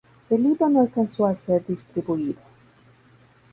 El libro no alcanzó a ser distribuido.